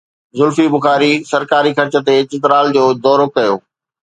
زلفي بخاري سرڪاري خرچ تي چترال جو دورو ڪيو